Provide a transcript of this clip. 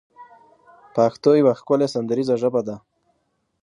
پښتو يوه ښکلې سندريزه ژبه ده